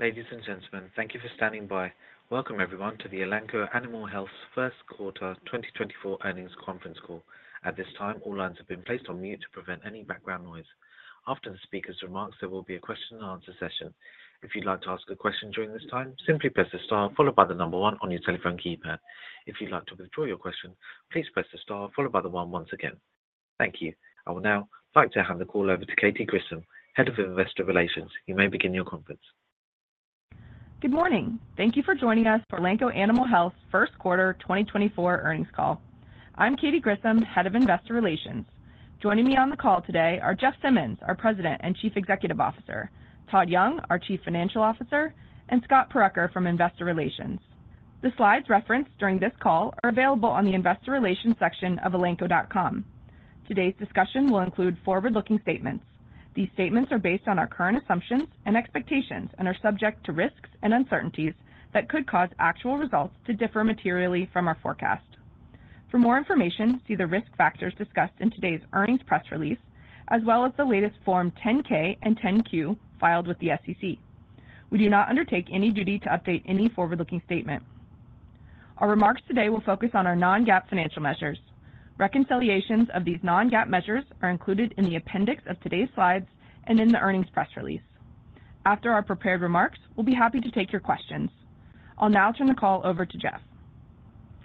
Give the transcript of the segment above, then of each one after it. Ladies and gentlemen, thank you for standing by. Welcome, everyone, to the Elanco Animal Health's first quarter 2024 earnings conference call. At this time, all lines have been placed on mute to prevent any background noise. After the speaker's remarks, there will be a question-and-answer session. If you'd like to ask a question during this time, simply press the star followed by the number 1 on your telephone keypad. If you'd like to withdraw your question, please press the star followed by the 1 once again. Thank you. I will now like to hand the call over to Katy Grissom, Head of Investor Relations. You may begin your conference. Good morning. Thank you for joining us for Elanco Animal Health's first quarter 2024 Earnings Call. I'm Katy Grissom, Head of Investor Relations. Joining me on the call today are Jeff Simmons, our President and Chief Executive Officer, Todd Young, our Chief Financial Officer, and Scott Purucker from Investor Relations. The slides referenced during this call are available on the Investor Relations section of elanco.com. Today's discussion will include forward-looking statements. These statements are based on our current assumptions and expectations and are subject to risks and uncertainties that could cause actual results to differ materially from our forecast. For more information, see the risk factors discussed in today's earnings press release, as well as the latest Form 10-K and 10-Q filed with the SEC. We do not undertake any duty to update any forward-looking statement. Our remarks today will focus on our non-GAAP financial measures. Reconciliations of these non-GAAP measures are included in the appendix of today's slides and in the earnings press release. After our prepared remarks, we'll be happy to take your questions. I'll now turn the call over to Jeff.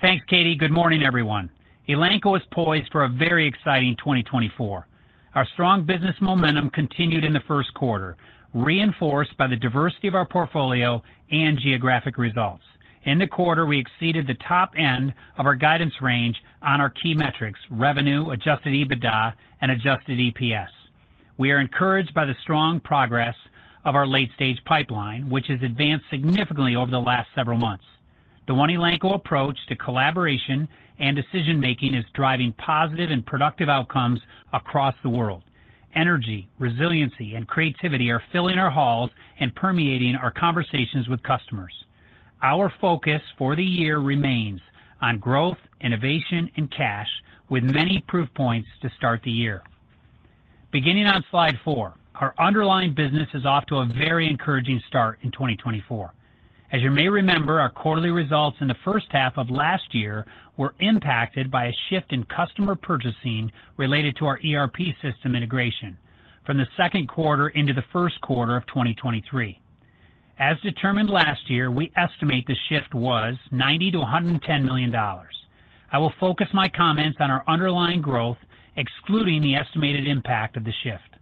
Thanks, Katy. Good morning, everyone. Elanco is poised for a very exciting 2024. Our strong business momentum continued in the first quarter, reinforced by the diversity of our portfolio and geographic results. In the quarter, we exceeded the top end of our guidance range on our key metrics: revenue, Adjusted EBITDA, and Adjusted EPS. We are encouraged by the strong progress of our late-stage pipeline, which has advanced significantly over the last several months. The one-Elanco approach to collaboration and decision-making is driving positive and productive outcomes across the world. Energy, resiliency, and creativity are filling our halls and permeating our conversations with customers. Our focus for the year remains on growth, innovation, and cash, with many proof points to start the year. Beginning on slide 4, our underlying business is off to a very encouraging start in 2024. As you may remember, our quarterly results in the first half of last year were impacted by a shift in customer purchasing related to our ERP system integration from the second quarter into the first quarter of 2023. As determined last year, we estimate the shift was $90-$110 million. I will focus my comments on our underlying growth, excluding the estimated impact of the shift.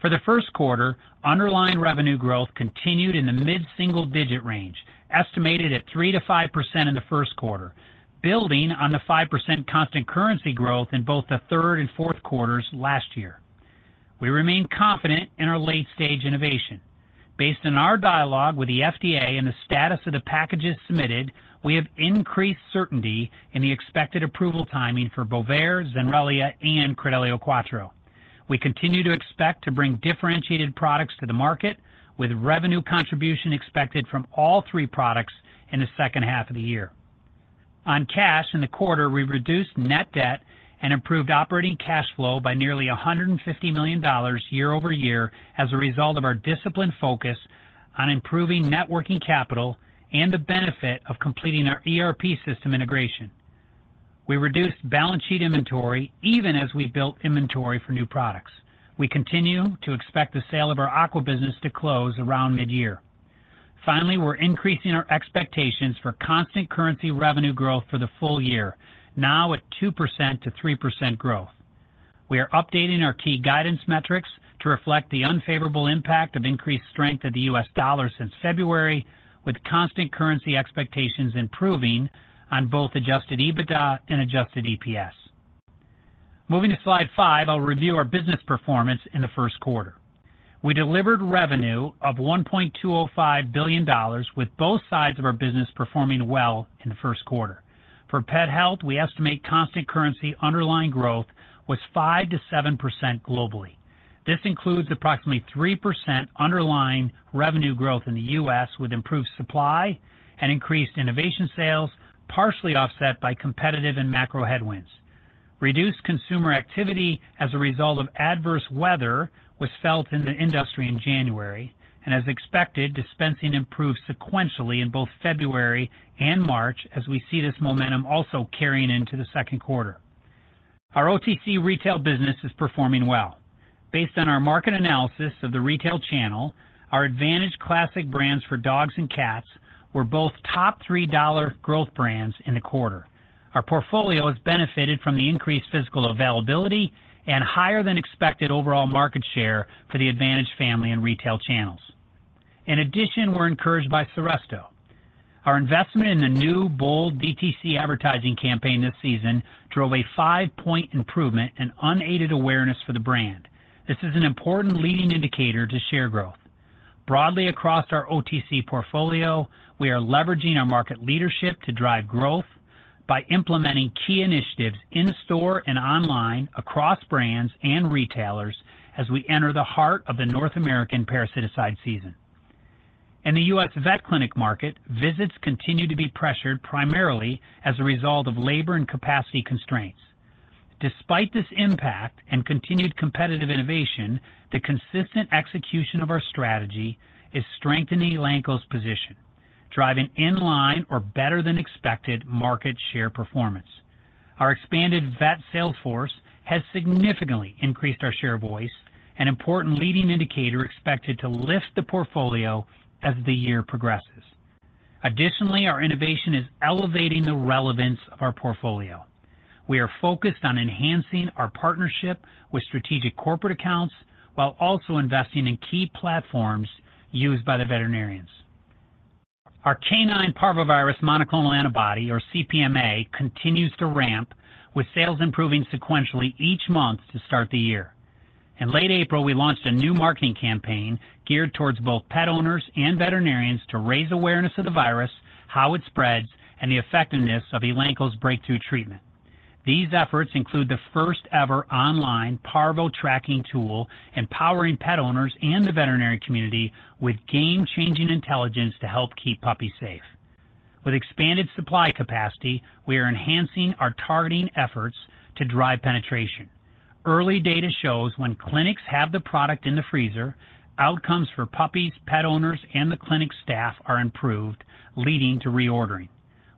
For the first quarter, underlying revenue growth continued in the mid-single-digit range, estimated at 3%-5% in the first quarter, building on the 5% constant currency growth in both the third and fourth quarters last year. We remain confident in our late-stage innovation. Based on our dialogue with the FDA and the status of the packages submitted, we have increased certainty in the expected approval timing for Bovaer, Zenrelia, and Credelio Quattro. We continue to expect to bring differentiated products to the market, with revenue contribution expected from all three products in the second half of the year. On cash in the quarter, we reduced net debt and improved operating cash flow by nearly $150 million year-over-year as a result of our disciplined focus on improving working capital and the benefit of completing our ERP system integration. We reduced balance sheet inventory even as we built inventory for new products. We continue to expect the sale of our aqua business to close around mid-year. Finally, we're increasing our expectations for constant currency revenue growth for the full year, now at 2%-3% growth. We are updating our key guidance metrics to reflect the unfavorable impact of increased strength of the U.S. dollar since February, with constant currency expectations improving on both adjusted EBITDA and adjusted EPS. Moving to slide five, I'll review our business performance in the first quarter. We delivered revenue of $1.205 billion, with both sides of our business performing well in the first quarter. For pet health, we estimate constant currency underlying growth was 5%-7% globally. This includes approximately 3% underlying revenue growth in the U.S., with improved supply and increased innovation sales, partially offset by competitive and macro headwinds. Reduced consumer activity as a result of adverse weather was felt in the industry in January, and as expected, dispensing improved sequentially in both February and March as we see this momentum also carrying into the second quarter. Our OTC retail business is performing well. Based on our market analysis of the retail channel, our Advantage Classic brands for dogs and cats were both top-three dollar growth brands in the quarter. Our portfolio has benefited from the increased physical availability and higher-than-expected overall market share for the Advantage family and retail channels. In addition, we're encouraged by Seresto. Our investment in the new bold DTC advertising campaign this season drove a 5-point improvement in unaided awareness for the brand. This is an important leading indicator to share growth. Broadly across our OTC portfolio, we are leveraging our market leadership to drive growth by implementing key initiatives in-store and online across brands and retailers as we enter the heart of the North American parasiticide season. In the U.S. vet clinic market, visits continue to be pressured primarily as a result of labor and capacity constraints. Despite this impact and continued competitive innovation, the consistent execution of our strategy is strengthening Elanco's position, driving inline or better-than-expected market share performance. Our expanded vet sales force has significantly increased our share voice, an important leading indicator expected to lift the portfolio as the year progresses. Additionally, our innovation is elevating the relevance of our portfolio. We are focused on enhancing our partnership with strategic corporate accounts while also investing in key platforms used by the veterinarians. Our Canine Parvovirus Monoclonal Antibody, or CPMA, continues to ramp, with sales improving sequentially each month to start the year. In late April, we launched a new marketing campaign geared towards both pet owners and veterinarians to raise awareness of the virus, how it spreads, and the effectiveness of Elanco's breakthrough treatment. These efforts include the first-ever online parvo tracking tool, empowering pet owners and the veterinary community with game-changing intelligence to help keep puppies safe. With expanded supply capacity, we are enhancing our targeting efforts to drive penetration. Early data shows when clinics have the product in the freezer, outcomes for puppies, pet owners, and the clinic staff are improved, leading to reordering.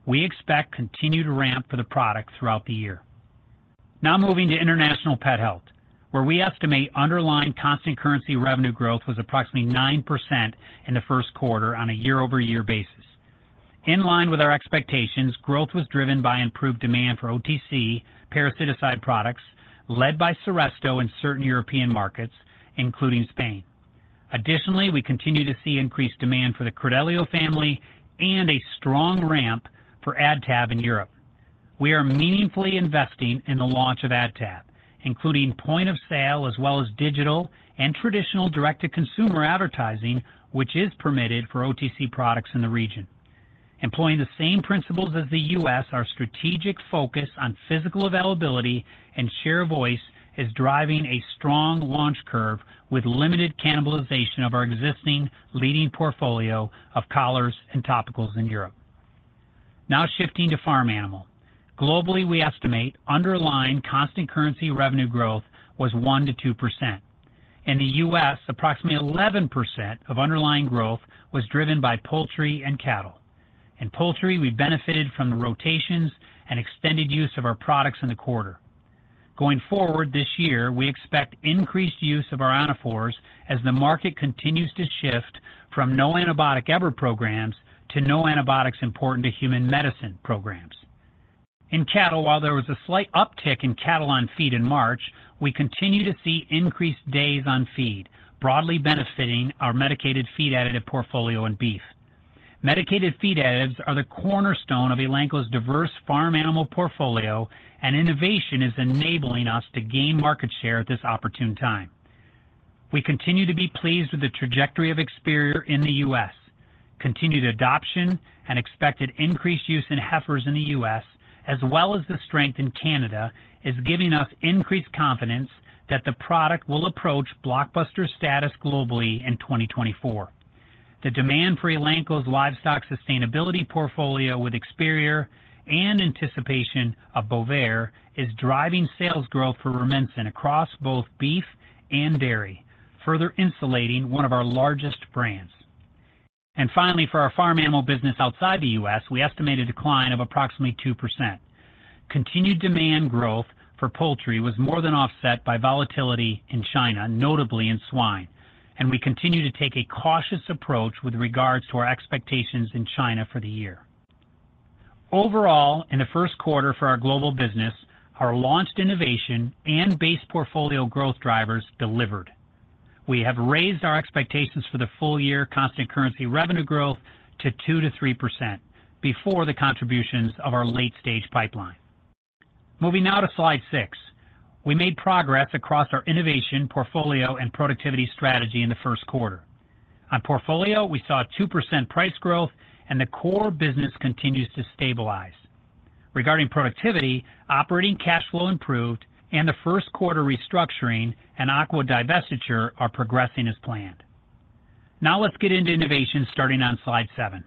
We expect continued ramp for the product throughout the year. Now moving to international pet health, where we estimate underlying constant currency revenue growth was approximately 9% in the first quarter on a year-over-year basis. In line with our expectations, growth was driven by improved demand for OTC parasiticide products, led by Seresto in certain European markets, including Spain. Additionally, we continue to see increased demand for the Credelio family and a strong ramp for AdTab in Europe. We are meaningfully investing in the launch of AdTab, including point-of-sale as well as digital and traditional direct-to-consumer advertising, which is permitted for OTC products in the region. Employing the same principles as the U.S., our strategic focus on physical availability and share voice is driving a strong launch curve with limited cannibalization of our existing leading portfolio of collars and topicals in Europe. Now shifting to farm animal. Globally, we estimate underlying constant currency revenue growth was 1%-2%. In the U.S., approximately 11% of underlying growth was driven by poultry and cattle. In poultry, we benefited from the rotations and extended use of our products in the quarter. Going forward this year, we expect increased use of our ionophores as the market continues to shift from no antibiotic ever programs to no antibiotics important to human medicine programs. In cattle, while there was a slight uptick in cattle on feed in March, we continue to see increased days on feed, broadly benefiting our medicated feed additive portfolio in beef. Medicated feed additives are the cornerstone of Elanco's diverse farm animal portfolio, and innovation is enabling us to gain market share at this opportune time. We continue to be pleased with the trajectory of Experior in the U.S. Continued adoption and expected increased use in heifers in the U.S., as well as the strength in Canada, is giving us increased confidence that the product will approach blockbuster status globally in 2024. The demand for Elanco's livestock sustainability portfolio with Experior and anticipation of Bovaer is driving sales growth for Rumensin across both beef and dairy, further insulating one of our largest brands. And finally, for our farm animal business outside the U.S., we estimate a decline of approximately 2%. Continued demand growth for poultry was more than offset by volatility in China, notably in swine, and we continue to take a cautious approach with regards to our expectations in China for the year. Overall, in the first quarter for our global business, our launched innovation and base portfolio growth drivers delivered. We have raised our expectations for the full-year constant currency revenue growth to 2%-3% before the contributions of our late-stage pipeline. Moving now to slide 6, we made progress across our innovation portfolio and productivity strategy in the first quarter. On portfolio, we saw 2% price growth, and the core business continues to stabilize. Regarding productivity, operating cash flow improved, and the first quarter restructuring and aqua divestiture are progressing as planned. Now let's get into innovation starting on slide 7.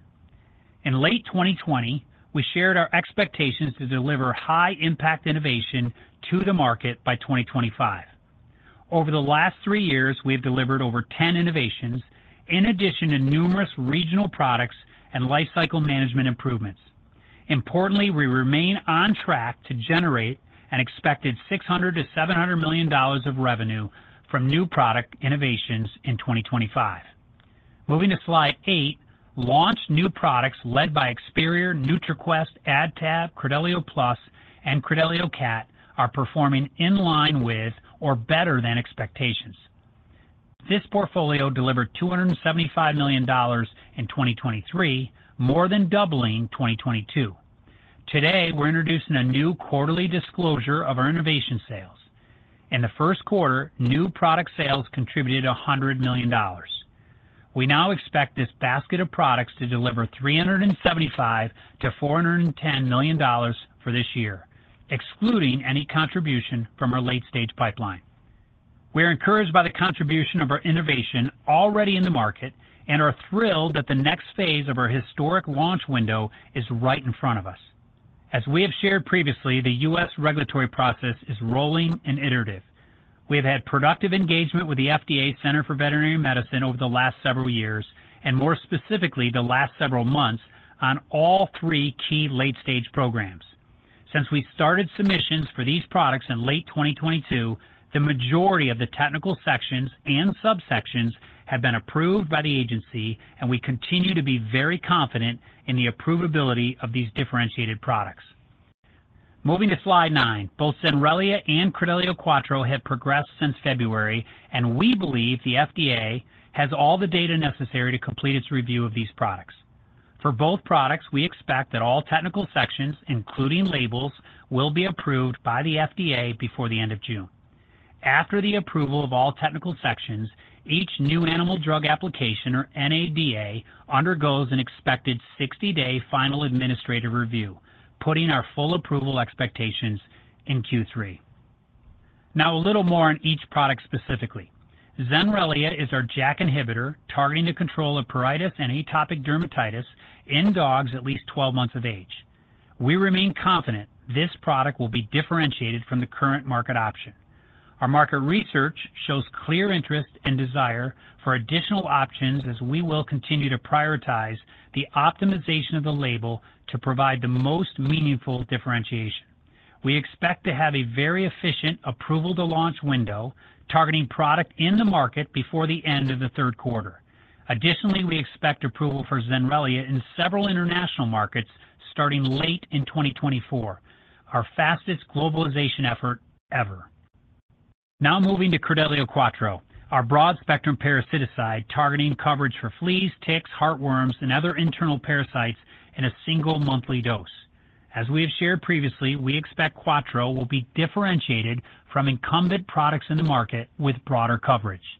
In late 2020, we shared our expectations to deliver high-impact innovation to the market by 2025. Over the last three years, we have delivered over 10 innovations in addition to numerous regional products and lifecycle management improvements. Importantly, we remain on track to generate an expected $600-$700 million of revenue from new product innovations in 2025. Moving to slide 8, launched new products led by Experior, NutriQuest, AdTab, Credelio Plus, and Credelio Cat are performing in line with or better than expectations. This portfolio delivered $275 million in 2023, more than doubling 2022. Today, we're introducing a new quarterly disclosure of our innovation sales. In the first quarter, new product sales contributed $100 million. We now expect this basket of products to deliver $375-$410 million for this year, excluding any contribution from our late-stage pipeline. We are encouraged by the contribution of our innovation already in the market and are thrilled that the next phase of our historic launch window is right in front of us. As we have shared previously, the U.S. regulatory process is rolling and iterative. We have had productive engagement with the FDA Center for Veterinary Medicine over the last several years, and more specifically the last several months, on all three key late-stage programs. Since we started submissions for these products in late 2022, the majority of the technical sections and subsections have been approved by the agency, and we continue to be very confident in the approvability of these differentiated products. Moving to slide nine, both Zenrelia and Credelio Quattro have progressed since February, and we believe the FDA has all the data necessary to complete its review of these products. For both products, we expect that all technical sections, including labels, will be approved by the FDA before the end of June. After the approval of all technical sections, each new animal drug application, or NADA, undergoes an expected 60-day final administrative review, putting our full approval expectations in Q3. Now a little more on each product specifically. Zenrelia is our JAK inhibitor targeting to control a pruritus and atopic dermatitis in dogs at least 12 months of age. We remain confident this product will be differentiated from the current market option. Our market research shows clear interest and desire for additional options as we will continue to prioritize the optimization of the label to provide the most meaningful differentiation. We expect to have a very efficient approval-to-launch window targeting product in the market before the end of the third quarter. Additionally, we expect approval for Zenrelia in several international markets starting late in 2024, our fastest globalization effort ever. Now moving to Credelio Quattro, our broad-spectrum parasiticide targeting coverage for fleas, ticks, heartworms, and other internal parasites in a single monthly dose. As we have shared previously, we expect Quattro will be differentiated from incumbent products in the market with broader coverage.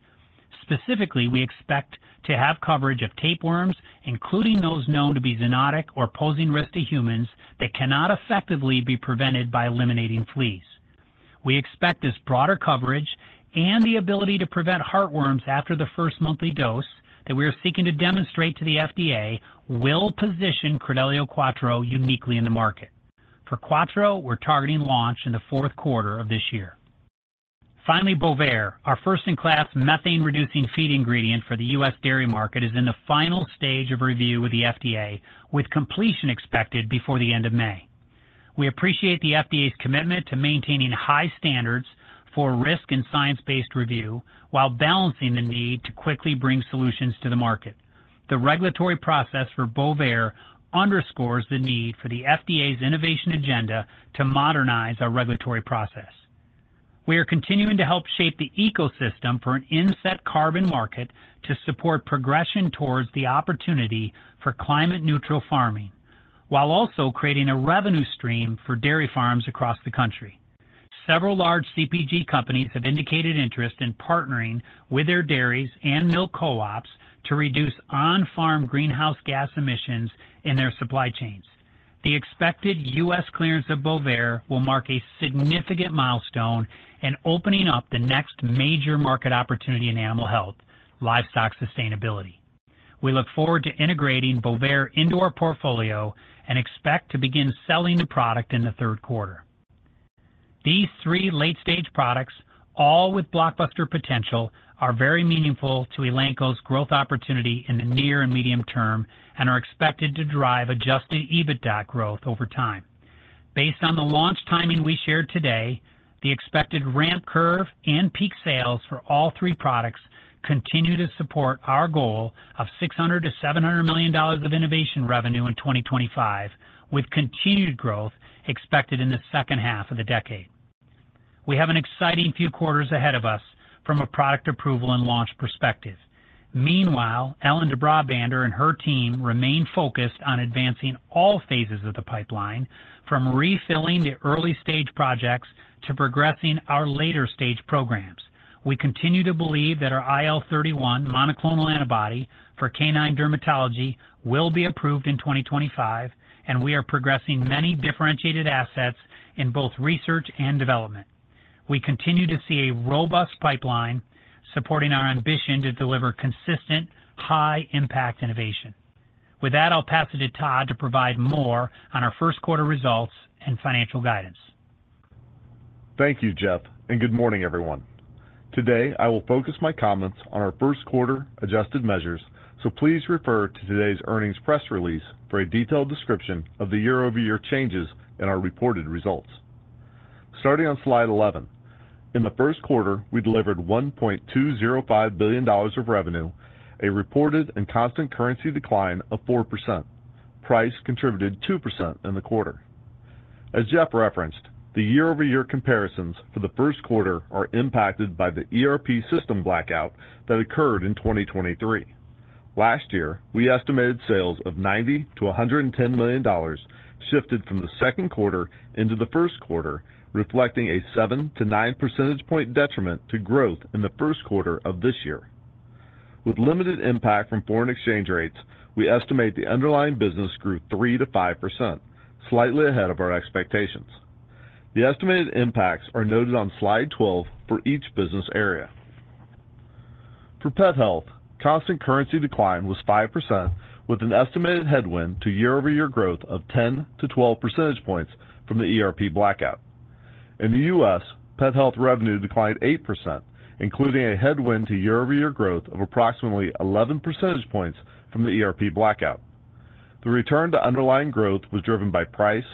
Specifically, we expect to have coverage of tapeworms, including those known to be zoonotic or posing risk to humans that cannot effectively be prevented by eliminating fleas. We expect this broader coverage and the ability to prevent heartworms after the first monthly dose that we are seeking to demonstrate to the FDA will position Credelio Quattro uniquely in the market. For Quattro, we're targeting launch in the fourth quarter of this year. Finally, Bovaer, our first-in-class methane-reducing feed ingredient for the U.S. dairy market, is in the final stage of review with the FDA, with completion expected before the end of May. We appreciate the FDA's commitment to maintaining high standards for risk and science-based review while balancing the need to quickly bring solutions to the market. The regulatory process for Bovaer underscores the need for the FDA's innovation agenda to modernize our regulatory process. We are continuing to help shape the ecosystem for an inset carbon market to support progression towards the opportunity for climate-neutral farming while also creating a revenue stream for dairy farms across the country. Several large CPG companies have indicated interest in partnering with their dairies and milk co-ops to reduce on-farm greenhouse gas emissions in their supply chains. The expected U.S. clearance of Bovaer will mark a significant milestone in opening up the next major market opportunity in animal health: livestock sustainability. We look forward to integrating Bovaer into our portfolio and expect to begin selling the product in the third quarter. These three late-stage products, all with blockbuster potential, are very meaningful to Elanco's growth opportunity in the near and medium term and are expected to drive adjusted EBITDA growth over time. Based on the launch timing we shared today, the expected ramp curve and peak sales for all three products continue to support our goal of $600 million-$700 million of innovation revenue in 2025, with continued growth expected in the second half of the decade. We have an exciting few quarters ahead of us from a product approval and launch perspective. Meanwhile, Ellen de Brabander and her team remain focused on advancing all phases of the pipeline, from refilling the early-stage projects to progressing our later-stage programs. We continue to believe that our IL-31 monoclonal antibody for canine dermatology will be approved in 2025, and we are progressing many differentiated assets in both research and development. We continue to see a robust pipeline supporting our ambition to deliver consistent, high-impact innovation. With that, I'll pass it to Todd to provide more on our first quarter results and financial guidance. Thank you, Jeff, and good morning, everyone. Today, I will focus my comments on our first quarter adjusted measures, so please refer to today's earnings press release for a detailed description of the year-over-year changes in our reported results. Starting on slide 11, in the first quarter, we delivered $1.205 billion of revenue, a reported and constant currency decline of 4%. Price contributed 2% in the quarter. As Jeff referenced, the year-over-year comparisons for the first quarter are impacted by the ERP system blackout that occurred in 2023. Last year, we estimated sales of $90-$110 million shifted from the second quarter into the first quarter, reflecting a 7-9 percentage point detriment to growth in the first quarter of this year. With limited impact from foreign exchange rates, we estimate the underlying business grew 3%-5%, slightly ahead of our expectations. The estimated impacts are noted on slide 12 for each business area. For pet health, constant currency decline was 5%, with an estimated headwind to year-over-year growth of 10-12 percentage points from the ERP blackout. In the U.S., pet health revenue declined 8%, including a headwind to year-over-year growth of approximately 11 percentage points from the ERP blackout. The return to underlying growth was driven by price,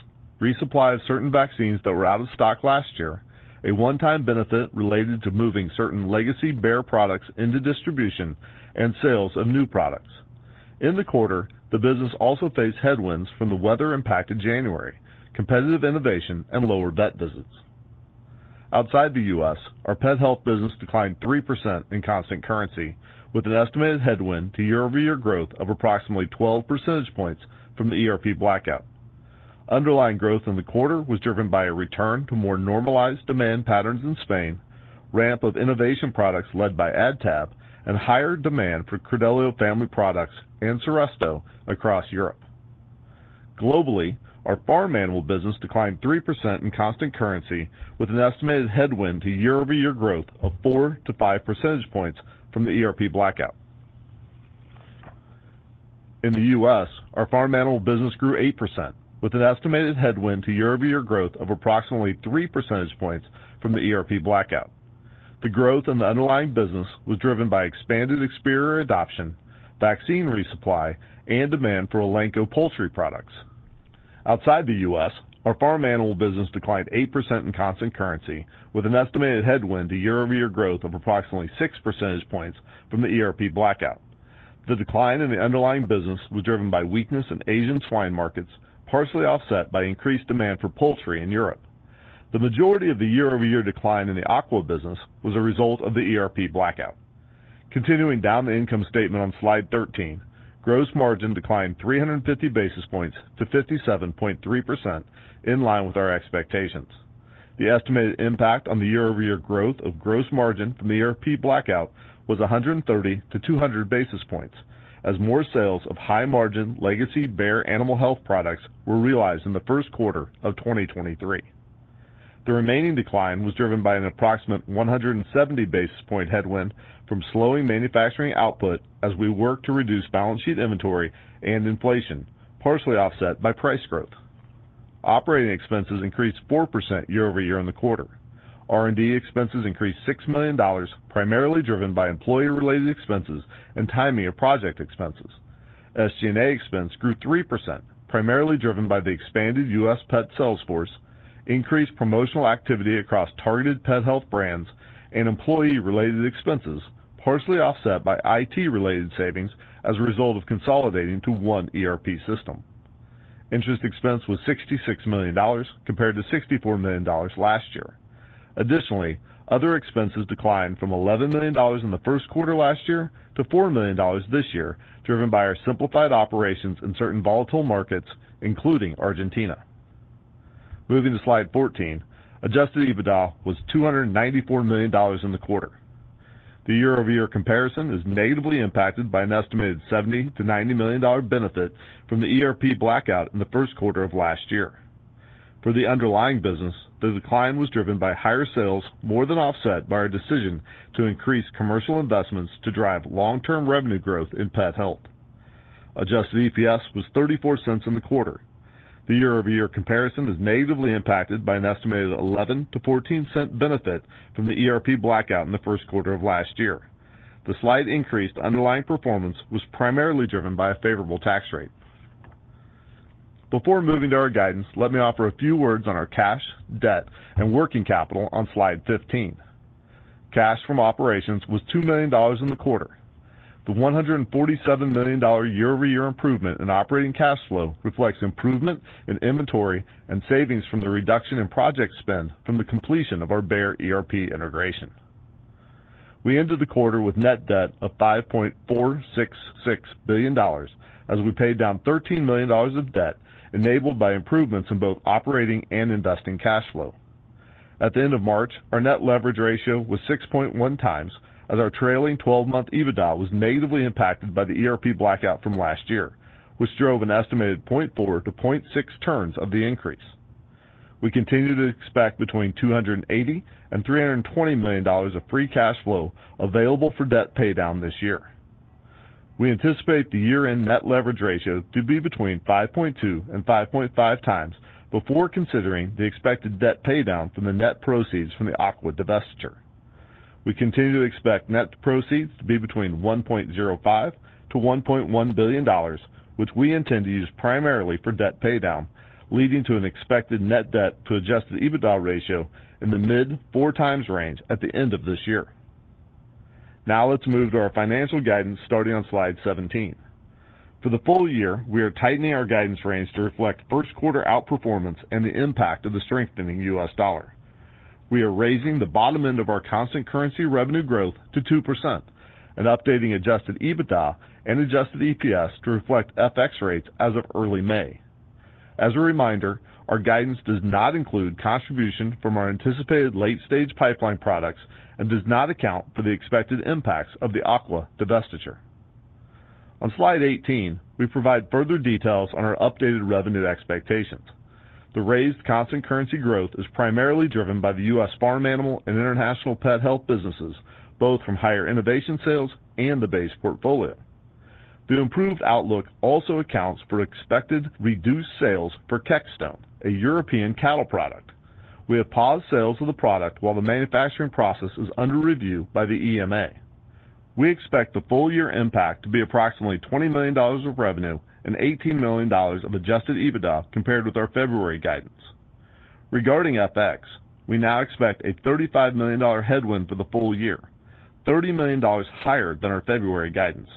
resupply of certain vaccines that were out of stock last year, a one-time benefit related to moving certain legacy Bayer products into distribution, and sales of new products. In the quarter, the business also faced headwinds from the weather-impacted January, competitive innovation, and lower vet visits. Outside the U.S., our pet health business declined 3% in constant currency, with an estimated headwind to year-over-year growth of approximately 12 percentage points from the ERP blackout. Underlying growth in the quarter was driven by a return to more normalized demand patterns in Spain, ramp of innovation products led by AdTab, and higher demand for Credelio family products and Seresto across Europe. Globally, our farm animal business declined 3% in constant currency, with an estimated headwind to year-over-year growth of 4-5 percentage points from the ERP blackout. In the U.S., our farm animal business grew 8%, with an estimated headwind to year-over-year growth of approximately 3 percentage points from the ERP blackout. The growth in the underlying business was driven by expanded Experior adoption, vaccine resupply, and demand for Elanco poultry products. Outside the U.S., our farm animal business declined 8% in constant currency, with an estimated headwind to year-over-year growth of approximately 6 percentage points from the ERP blackout. The decline in the underlying business was driven by weakness in Asia swine markets, partially offset by increased demand for poultry in Europe. The majority of the year-over-year decline in the aqua business was a result of the ERP blackout. Continuing down the income statement on slide 13, gross margin declined 350 basis points to 57.3% in line with our expectations. The estimated impact on the year-over-year growth of gross margin from the ERP blackout was 130-200 basis points, as more sales of high-margin legacy Bayer animal health products were realized in the first quarter of 2023. The remaining decline was driven by an approximate 170 basis point headwind from slowing manufacturing output as we worked to reduce balance sheet inventory and inflation, partially offset by price growth. Operating expenses increased 4% year-over-year in the quarter. R&D expenses increased $6 million, primarily driven by employee-related expenses and timing of project expenses. SG&A expense grew 3%, primarily driven by the expanded U.S. pet sales force, increased promotional activity across targeted pet health brands, and employee-related expenses, partially offset by IT-related savings as a result of consolidating to one ERP system. Interest expense was $66 million, compared to $64 million last year. Additionally, other expenses declined from $11 million in the first quarter last year to $4 million this year, driven by our simplified operations in certain volatile markets, including Argentina. Moving to slide 14, Adjusted EBITDA was $294 million in the quarter. The year-over-year comparison is negatively impacted by an estimated $70-$90 million benefit from the ERP blackout in the first quarter of last year. For the underlying business, the decline was driven by higher sales more than offset by our decision to increase commercial investments to drive long-term revenue growth in pet health. Adjusted EPS was $0.34 in the quarter. The year-over-year comparison is negatively impacted by an estimated $0.11-$0.14 benefit from the ERP blackout in the first quarter of last year. The slight increased underlying performance was primarily driven by a favorable tax rate. Before moving to our guidance, let me offer a few words on our cash, debt, and working capital on slide 15. Cash from operations was $2 million in the quarter. The $147 million year-over-year improvement in operating cash flow reflects improvement in inventory and savings from the reduction in project spend from the completion of our Bayer ERP integration. We ended the quarter with net debt of $5.466 billion as we paid down $13 million of debt, enabled by improvements in both operating and investing cash flow. At the end of March, our net leverage ratio was 6.1 times as our trailing 12-month EBITDA was negatively impacted by the ERP blackout from last year, which drove an estimated 0.4-0.6 turns of the increase. We continue to expect between $280-$320 million of free cash flow available for debt paydown this year. We anticipate the year-end net leverage ratio to be between 5.2-5.5 times before considering the expected debt paydown from the net proceeds from the aqua divestiture. We continue to expect net proceeds to be between $1.05-$1.1 billion, which we intend to use primarily for debt paydown, leading to an expected net debt to Adjusted EBITDA ratio in the mid-4x range at the end of this year. Now let's move to our financial guidance starting on slide 17. For the full year, we are tightening our guidance range to reflect first-quarter outperformance and the impact of the strengthening U.S. dollar. We are raising the bottom end of our constant currency revenue growth to 2% and updating Adjusted EBITDA and Adjusted EPS to reflect FX rates as of early May. As a reminder, our guidance does not include contribution from our anticipated late-stage pipeline products and does not account for the expected impacts of the aqua divestiture. On slide 18, we provide further details on our updated revenue expectations. The raised constant currency growth is primarily driven by the U.S. farm animal and international pet health businesses, both from higher innovation sales and the base portfolio. The improved outlook also accounts for expected reduced sales for Kexxtone, a European cattle product. We have paused sales of the product while the manufacturing process is under review by the EMA. We expect the full-year impact to be approximately $20 million of revenue and $18 million of Adjusted EBITDA compared with our February guidance. Regarding FX, we now expect a $35 million headwind for the full year, $30 million higher than our February guidance.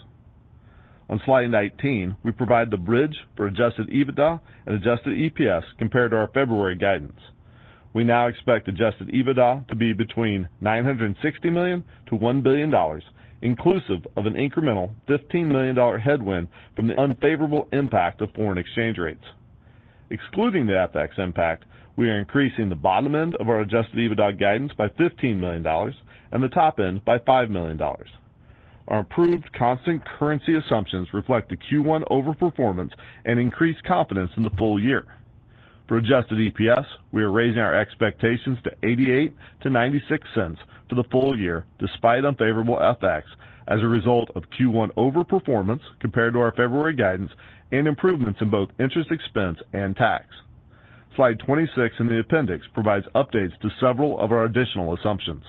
On slide 19, we provide the bridge for Adjusted EBITDA and Adjusted EPS compared to our February guidance. We now expect Adjusted EBITDA to be between $960 million-$1 billion, inclusive of an incremental $15 million headwind from the unfavorable impact of foreign exchange rates. Excluding the FX impact, we are increasing the bottom end of our adjusted EBITDA guidance by $15 million and the top end by $5 million. Our improved constant currency assumptions reflect the Q1 overperformance and increased confidence in the full year. For adjusted EPS, we are raising our expectations to $0.88-$0.96 for the full year despite unfavorable FX as a result of Q1 overperformance compared to our February guidance and improvements in both interest expense and tax. Slide 26 in the appendix provides updates to several of our additional assumptions.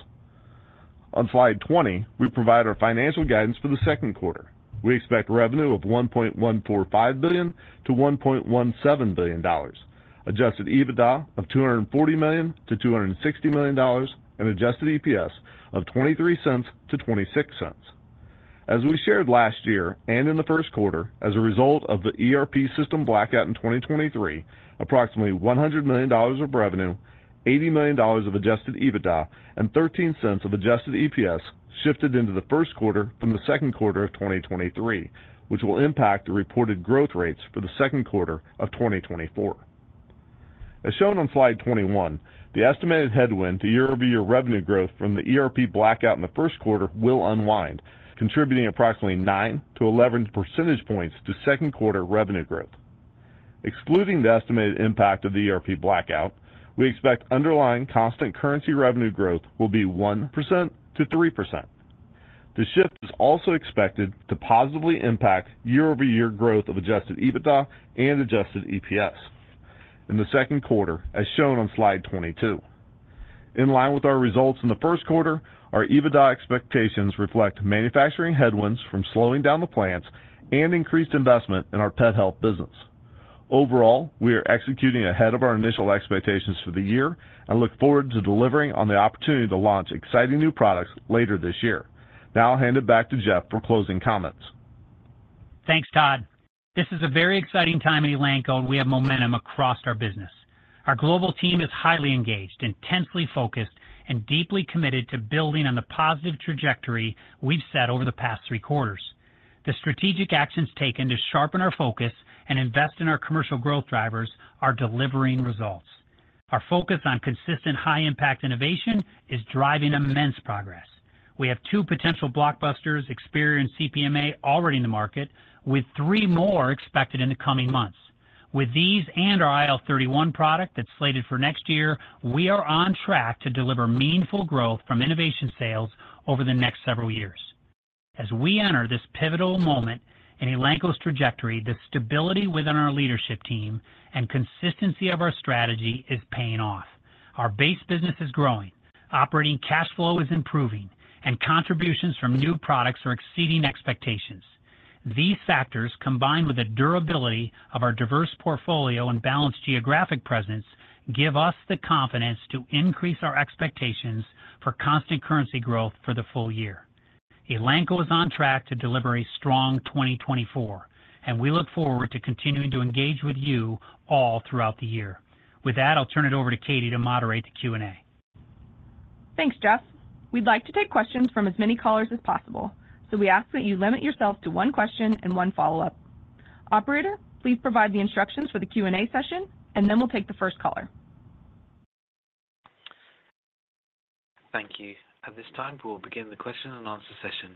On slide 20, we provide our financial guidance for the second quarter. We expect revenue of $1.145-$1.17 billion, adjusted EBITDA of $240-$260 million, and adjusted EPS of $0.23-$0.26. As we shared last year and in the first quarter, as a result of the ERP system blackout in 2023, approximately $100 million of revenue, $80 million of Adjusted EBITDA, and $0.13 of Adjusted EPS shifted into the first quarter from the second quarter of 2023, which will impact the reported growth rates for the second quarter of 2024. As shown on slide 21, the estimated headwind to year-over-year revenue growth from the ERP blackout in the first quarter will unwind, contributing approximately 9-11 percentage points to second-quarter revenue growth. Excluding the estimated impact of the ERP blackout, we expect underlying constant currency revenue growth will be 1%-3%. The shift is also expected to positively impact year-over-year growth of Adjusted EBITDA and Adjusted EPS in the second quarter, as shown on slide 22. In line with our results in the first quarter, our EBITDA expectations reflect manufacturing headwinds from slowing down the plants and increased investment in our pet health business. Overall, we are executing ahead of our initial expectations for the year and look forward to delivering on the opportunity to launch exciting new products later this year. Now I'll hand it back to Jeff for closing comments. Thanks, Todd. This is a very exciting time at Elanco, and we have momentum across our business. Our global team is highly engaged, intensely focused, and deeply committed to building on the positive trajectory we've set over the past three quarters. The strategic actions taken to sharpen our focus and invest in our commercial growth drivers are delivering results. Our focus on consistent high-impact innovation is driving immense progress. We have two potential blockbusters, Experior and CPMA, already in the market, with three more expected in the coming months. With these and our IL-31 product that's slated for next year, we are on track to deliver meaningful growth from innovation sales over the next several years. As we enter this pivotal moment in Elanco's trajectory, the stability within our leadership team and consistency of our strategy is paying off. Our base business is growing, operating cash flow is improving, and contributions from new products are exceeding expectations. These factors, combined with the durability of our diverse portfolio and balanced geographic presence, give us the confidence to increase our expectations for constant currency growth for the full year. Elanco is on track to deliver a strong 2024, and we look forward to continuing to engage with you all throughout the year. With that, I'll turn it over to Katy to moderate the Q&A. Thanks, Jeff. We'd like to take questions from as many callers as possible, so we ask that you limit yourself to one question and one follow-up. Operator, please provide the instructions for the Q&A session, and then we'll take the first caller. Thank you. At this time, we will begin the question and answer session.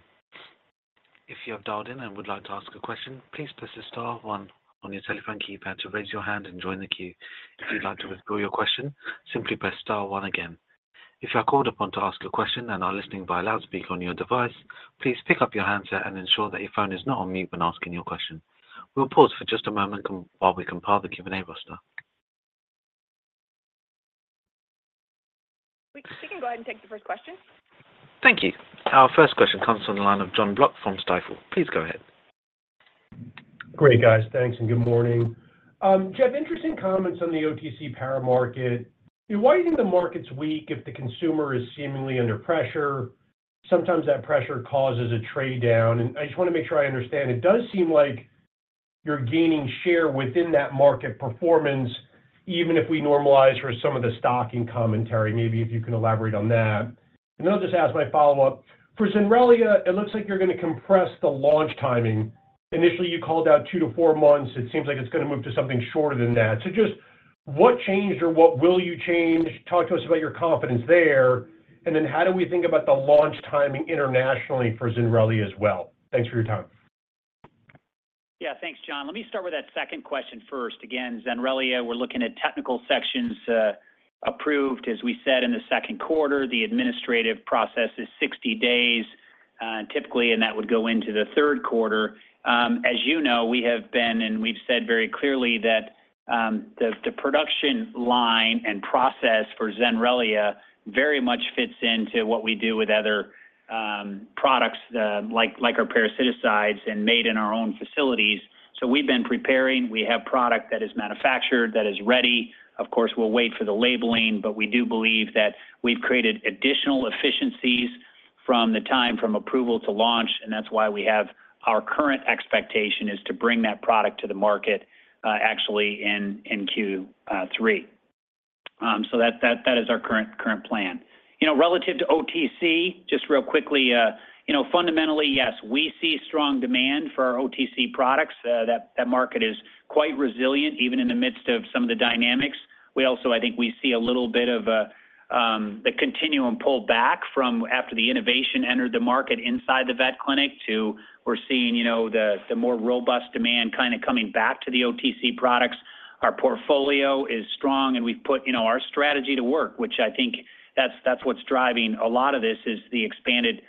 If you have dialed in and would like to ask a question, please press the star 1 on your telephone keypad to raise your hand and join the queue. If you'd like to withdraw your question, simply press star 1 again. If you are called upon to ask a question and are listening via loudspeaker on your device, please pick up your handset and ensure that your phone is not on mute when asking your question. We'll pause for just a moment while we compile the Q&A roster. We can go ahead and take the first question. Thank you. Our first question comes from the line of Jon Block from Stifel. Please go ahead. Great, guys. Thanks and good morning. Jeff, interesting comments on the OTC power market. Why do you think the market's weak if the consumer is seemingly under pressure? Sometimes that pressure causes a trade down. And I just want to make sure I understand. It does seem like you're gaining share within that market performance, even if we normalize for some of the stocking commentary, maybe if you can elaborate on that. And then I'll just ask my follow-up. For Zenrelia, it looks like you're going to compress the launch timing. Initially, you called out 2-4 months. It seems like it's going to move to something shorter than that. So just what changed or what will you change? Talk to us about your confidence there. And then how do we think about the launch timing internationally for Zenrelia as well? Thanks for your time. Yeah, thanks, John. Let me start with that second question first. Again, Zenrelia, we're looking at technical sections approved, as we said, in the second quarter. The administrative process is 60 days, typically, and that would go into the third quarter. As you know, we have been and we've said very clearly that the production line and process for Zenrelia very much fits into what we do with other products like our parasiticides and made in our own facilities. So we've been preparing. We have product that is manufactured, that is ready. Of course, we'll wait for the labeling, but we do believe that we've created additional efficiencies from the time from approval to launch, and that's why we have our current expectation is to bring that product to the market, actually, in Q3. So that is our current plan. Relative to OTC, just real quickly, fundamentally, yes, we see strong demand for our OTC products. That market is quite resilient, even in the midst of some of the dynamics. We also, I think, we see a little bit of the continuum pullback from after the innovation entered the market inside the vet clinic to we're seeing the more robust demand kind of coming back to the OTC products. Our portfolio is strong, and we've put our strategy to work, which I think that's what's driving a lot of this, is the expanded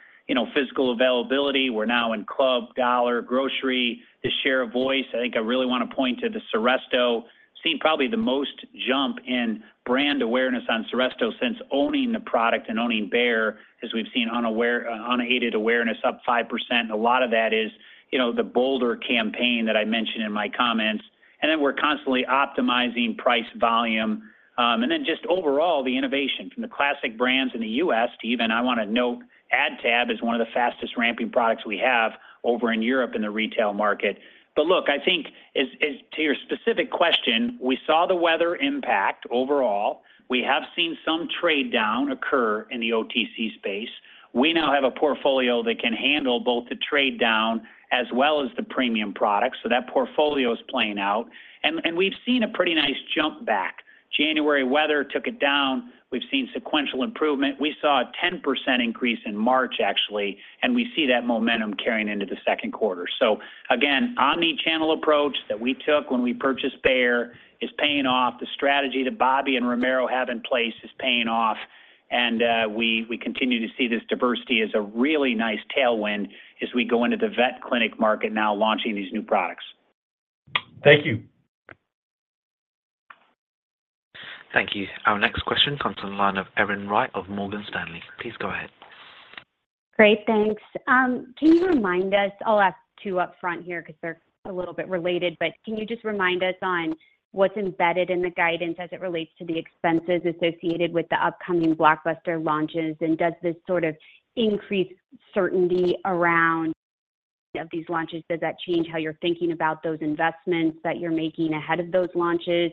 physical availability. We're now in club, dollar, grocery, the share of voice. I think I really want to point to the Seresto. Seen probably the most jump in brand awareness on Seresto since owning the product and owning Bayer, as we've seen unaided awareness up 5%. A lot of that is the Bovaer campaign that I mentioned in my comments. And then we're constantly optimizing price volume. And then just overall, the innovation from the classic brands in the U.S. to even I want to note AdTab is one of the fastest ramping products we have over in Europe in the retail market. But look, I think, to your specific question, we saw the weather impact overall. We have seen some trade down occur in the OTC space. We now have a portfolio that can handle both the trade down as well as the premium products. So that portfolio is playing out. And we've seen a pretty nice jump back. January weather took it down. We've seen sequential improvement. We saw a 10% increase in March, actually, and we see that momentum carrying into the second quarter. So again, omnichannel approach that we took when we purchased Bayer is paying off. The strategy that Bobby and Romero have in place is paying off. We continue to see this diversity as a really nice tailwind as we go into the vet clinic market now launching these new products. Thank you. Thank you. Our next question comes from the line of Erin Wright of Morgan Stanley. Please go ahead. Great, thanks. Can you remind us? I'll ask two upfront here because they're a little bit related, but can you just remind us on what's embedded in the guidance as it relates to the expenses associated with the upcoming blockbuster launches? And does this sort of increase certainty around these launches? Does that change how you're thinking about those investments that you're making ahead of those launches?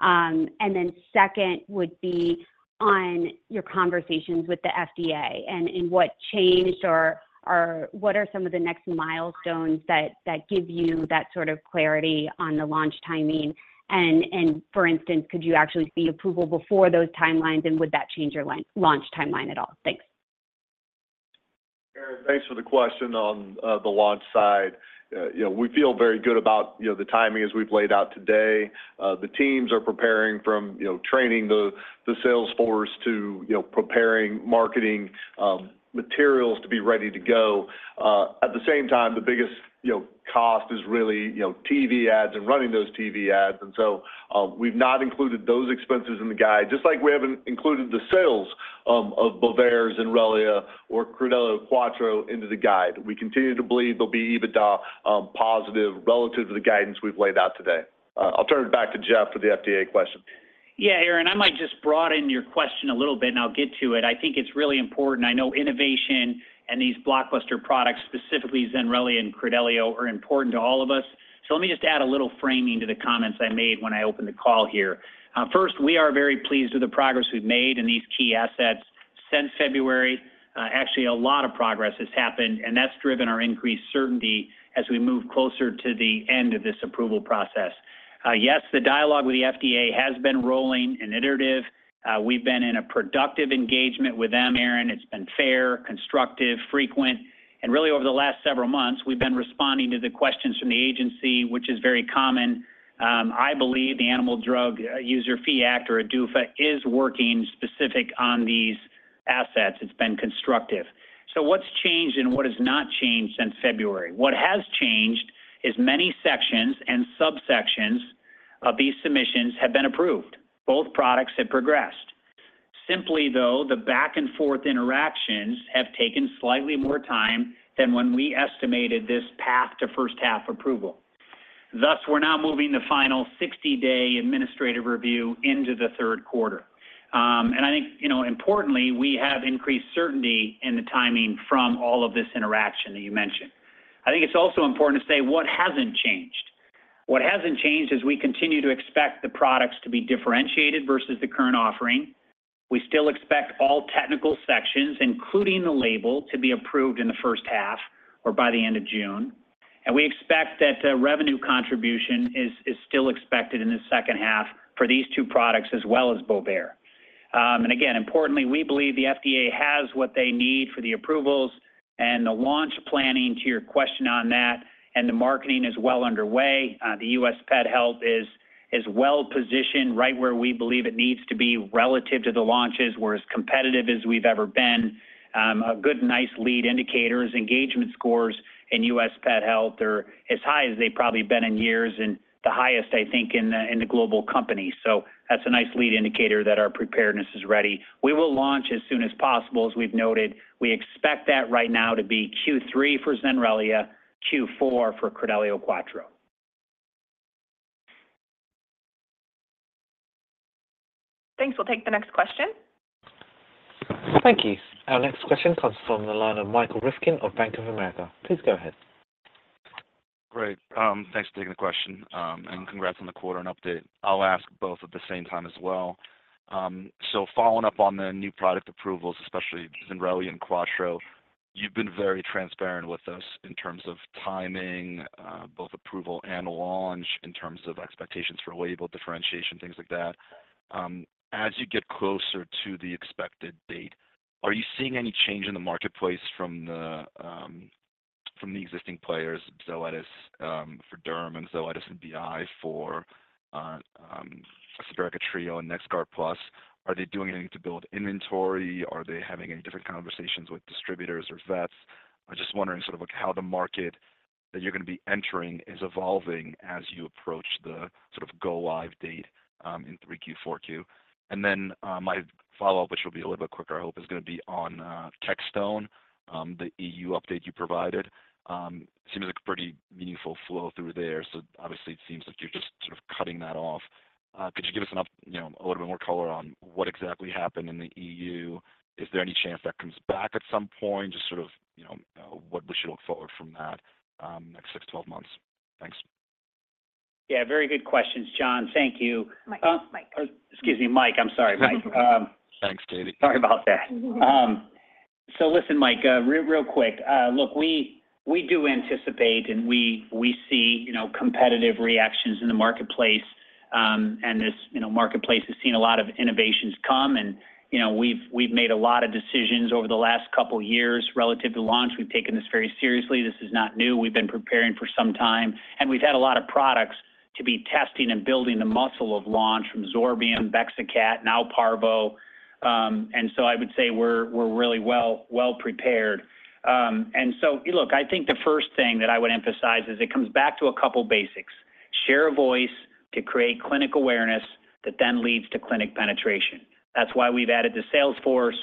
And then second would be on your conversations with the FDA and what changed or what are some of the next milestones that give you that sort of clarity on the launch timing? And for instance, could you actually see approval before those timelines, and would that change your launch timeline at all? Thanks. Erin, thanks for the question on the launch side. We feel very good about the timing as we've laid out today. The teams are preparing from training the sales force to preparing marketing materials to be ready to go. At the same time, the biggest cost is really TV ads and running those TV ads. And so we've not included those expenses in the guide, just like we haven't included the sales of Bovaer, Zenrelia, or Credelio Quattro into the guide. We continue to believe there'll be EBITDA positive relative to the guidance we've laid out today. I'll turn it back to Jeff for the FDA question. Yeah, Erin, I might just broaden your question a little bit, and I'll get to it. I think it's really important. I know innovation and these blockbuster products, specifically Zenrelia and Credelio, are important to all of us. So let me just add a little framing to the comments I made when I opened the call here. First, we are very pleased with the progress we've made in these key assets since February. Actually, a lot of progress has happened, and that's driven our increased certainty as we move closer to the end of this approval process. Yes, the dialogue with the FDA has been rolling, innovative. We've been in a productive engagement with them, Erin. It's been fair, constructive, frequent. And really, over the last several months, we've been responding to the questions from the agency, which is very common. I believe the Animal Drug User Fee Act or ADUFA is working specifically on these assets. It's been constructive. So what's changed and what has not changed since February? What has changed is many sections and subsections of these submissions have been approved. Both products have progressed. Simply, though, the back-and-forth interactions have taken slightly more time than when we estimated this path to first-half approval. Thus, we're now moving the final 60-day administrative review into the third quarter. And I think, importantly, we have increased certainty in the timing from all of this interaction that you mentioned. I think it's also important to say what hasn't changed. What hasn't changed is we continue to expect the products to be differentiated versus the current offering. We still expect all technical sections, including the label, to be approved in the first half or by the end of June. We expect that revenue contribution is still expected in the second half for these two products as well as Bovaer. And again, importantly, we believe the FDA has what they need for the approvals and the launch planning, to your question on that, and the marketing is well underway. The U.S. Pet Health is well positioned right where we believe it needs to be relative to the launches. We're as competitive as we've ever been. A good, nice lead indicator is engagement scores in U.S. Pet Health. They're as high as they've probably been in years and the highest, I think, in the global company. So that's a nice lead indicator that our preparedness is ready. We will launch as soon as possible. As we've noted, we expect that right now to be Q3 for Zenrelia, Q4 for Credelio Quattro. Thanks. We'll take the next question. Thank you. Our next question comes from the line of Michael Ryskin of Bank of America. Please go ahead. Great. Thanks for taking the question, and congrats on the quarter and update. I'll ask both at the same time as well. So following up on the new product approvals, especially Zenrelia and Credelio Quattro, you've been very transparent with us in terms of timing, both approval and launch, in terms of expectations for label differentiation, things like that. As you get closer to the expected date, are you seeing any change in the marketplace from the existing players, Zoetis for derm and Zoetis and BI for Simparica Trio and NexGard Plus? Are they doing anything to build inventory? Are they having any different conversations with distributors or vets? I'm just wondering sort of how the market that you're going to be entering is evolving as you approach the sort of go-live date in 3Q, 4Q. And then my follow-up, which will be a little bit quicker, I hope, is going to be on Kexxtone, the EU update you provided. Seems like a pretty meaningful flow through there. So obviously, it seems like you're just sort of cutting that off. Could you give us a little bit more color on what exactly happened in the EU? Is there any chance that comes back at some point? Just sort of what we should look forward from that next 6, 12 months? Thanks. Yeah, very good questions, Mike. Thank you. Mike. Excuse me, Mike. I'm sorry, Mike. Thanks, Katy. Sorry about that. So listen, Mike, real quick. Look, we do anticipate and we see competitive reactions in the marketplace. And this marketplace has seen a lot of innovations come. And we've made a lot of decisions over the last couple of years relative to launch. We've taken this very seriously. This is not new. We've been preparing for some time. And we've had a lot of products to be testing and building the muscle of launch from Zorbium, Bexacat, now Parvo. And so I would say we're really well prepared. And so look, I think the first thing that I would emphasize is it comes back to a couple of basics: share of voice to create clinic awareness that then leads to clinic penetration. That's why we've added the sales force.